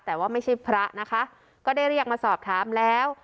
แต่ว่าไม่ใช่พระนะคะก็ได้เรียกมาสอบถามแล้ว